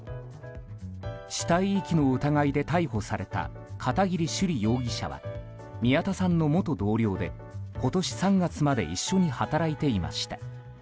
死体遺棄の疑いで逮捕された片桐朱璃容疑者は宮田さんの元同僚で今年３月まで一緒に働いていました。